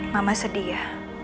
mama sedih ya